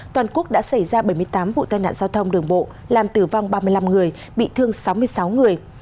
toàn quốc đã xảy ra bảy mươi tám vụ tai nạn giao thông đường bộ làm tử vong ba mươi năm người bị thương sáu mươi sáu người